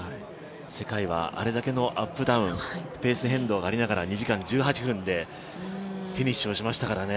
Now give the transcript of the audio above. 世界はあれだけのアップダウン、ペース変動がありながら２時間１８分でフィニッシュをしましたからね。